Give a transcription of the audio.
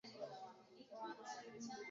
Mpiga picha hodari amewasili.